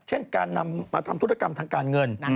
เช่นการนำมาทำธุรกรรมทางการเงิน